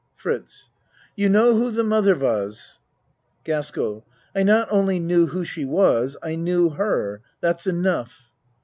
FRITZ You know who the mother was? GASKELL I not only knew who she was I knew her. That's enough.